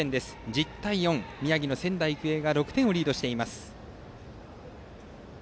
１０対４と宮城の仙台育英が６点リードです。